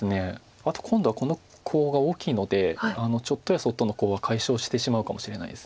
あと今度はこのコウが大きいのでちょっとやそっとのコウは解消してしまうかもしれないです。